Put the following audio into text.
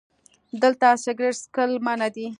🚭 دلته سګرټ څکل منع دي